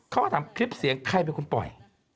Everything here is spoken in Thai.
เขาก็ถามคลิปเสียงใครเป็นคนปล่อย